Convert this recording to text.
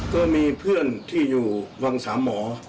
ก็มีเพื่อนที่อยู่วังสามหมอ